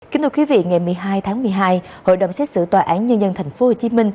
kính thưa quý vị ngày một mươi hai tháng một mươi hai hội đồng xét xử tòa án nhân dân tp hcm